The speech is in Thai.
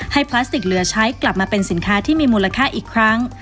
พลาสติกเหลือใช้กลับมาเป็นสินค้าที่มีมูลค่าอีกครั้ง